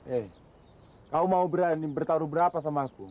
eh kamu mau berani bertaruh berapa sama aku